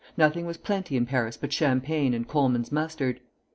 Nothing was plenty in Paris but champagne and Colman's mustard.